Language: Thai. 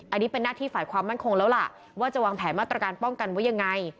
อันนี้เป็นหน้าที่ฝ่ายความมั่นคงแล้วล่ะว่าจะวางแผนมาตรการป้องกันไว้ยังไง